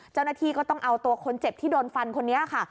เจ้าหน้าที่ก็ต้องเอาตัวคนเจ็บที่โดนฟันคนนี้ค่ะ